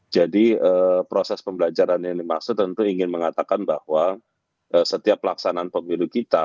jadi proses pembelajaran yang dimaksud tentu ingin mengatakan bahwa setiap pelaksanaan pemilu kita